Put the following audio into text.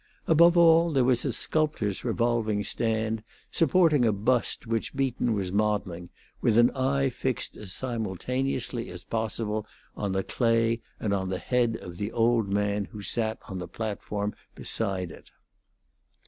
Above all, there was a sculptor's revolving stand, supporting a bust which Beaton was modelling, with an eye fixed as simultaneously as possible on the clay and on the head of the old man who sat on the platform beside it.